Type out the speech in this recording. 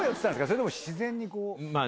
それとも自然にこう。